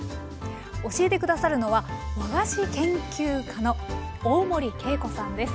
教えて下さるのは和菓子研究家の大森慶子さんです。